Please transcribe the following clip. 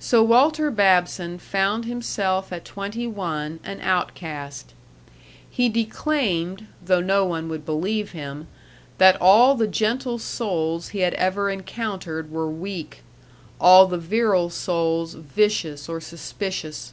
So Walter Babson found himself at twenty one an outcast. He declaimed though no one would believe him that all the gentle souls he had ever encountered were weak; all the virile souls vicious or suspicious.